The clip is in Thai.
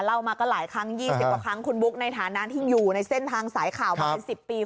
มาก็หลายครั้ง๒๐กว่าครั้งคุณบุ๊คในฐานะที่อยู่ในเส้นทางสายข่าวมาเป็น๑๐ปี